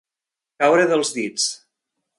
Caure dels dits.